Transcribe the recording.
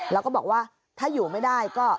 แล้วก็บอกว่าถ้าอยู่ไม่ได้ก็